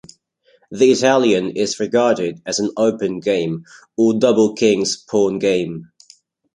The Italian is regarded as an Open Game, or Double King's Pawn game.